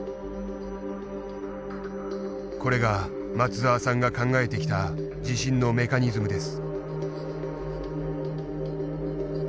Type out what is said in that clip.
これが松澤さんが考えてきた地震のメカニズムです。